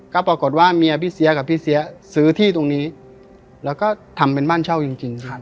ก็ปรากฏว่าเมียพี่เสียกับพี่เสียซื้อที่ตรงนี้แล้วก็ทำเป็นบ้านเช่าจริง